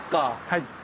はい。